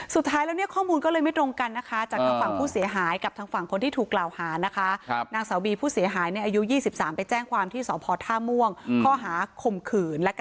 สุดท้ายแล้วเนี่ยข้อมูลก็เลยไม่ตรงกันนะคะ